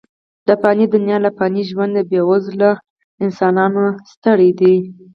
د فاني دنیا له فاني ژونده، بې وزله انسانان ستړي دي.